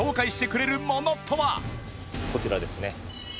こちらですね。